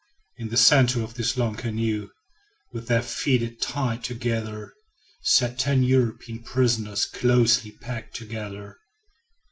In the center of this long canoe, with their feet tied together, sat ten European prisoners closely packed together.